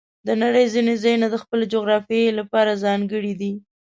د نړۍ ځینې ځایونه د خپلې جغرافیې لپاره ځانګړي دي.